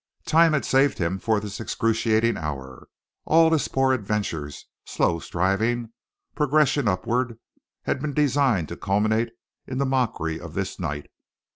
Time had saved him for this excruciating hour; all his poor adventures, slow striving, progression upward, had been designed to culminate in the mockery of this night.